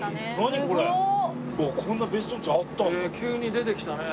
へえ急に出てきたね。